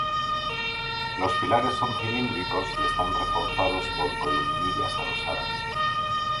Los pilares son cilíndricos y están reforzados por columnillas adosadas.